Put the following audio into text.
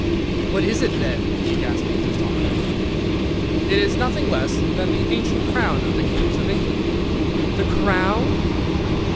"'What is it, then?' he gasped in astonishment. "'It is nothing less than the ancient crown of the Kings of England.' "'The crown!